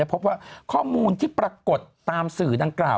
พบว่าข้อมูลที่ปรากฏตามสื่อดังกล่าว